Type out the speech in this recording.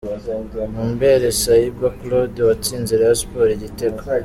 Mumbele Saiba Claude watsinze Rayon Sports igitego .